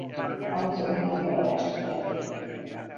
A muzulmán vallást követi.